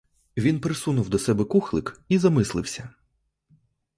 Він присунув до себе кухлик і замислився.